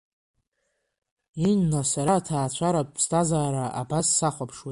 Инна, сара аҭаацәаратә ԥсҭазаара абас сахәаԥшуеит…